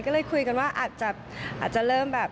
ก็เลยคุยกันว่าอาจจะเริ่มแบบ